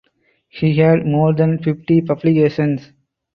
He had more than fifty publications.